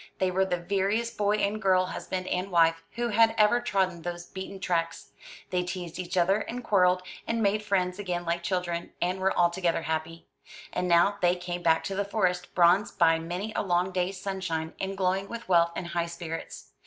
They were the veriest boy and girl husband and wife who had ever trodden those beaten tracks. They teased each other, and quarrelled, and made friends again like children, and were altogether happy. And now they came back to the Forest, bronzed by many a long day's sunshine, and glowing with health and high spirits.